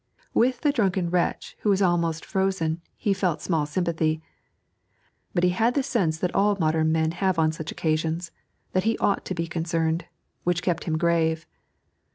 With the drunken wretch who was almost frozen he felt small sympathy, but he had the sense that all modern men have on such occasions, that he ought to be concerned, which kept him grave.